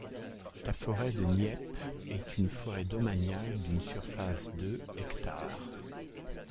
La forêt de Nieppe est une forêt domaniale d'une surface de hectares.